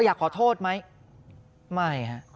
อยากขอโทษไหมไม่ฮะ